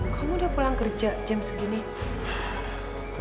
kamu gak boleh kalah